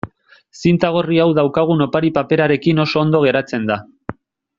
Zinta gorri hau daukagun opari-paperarekin oso ondo geratzen da.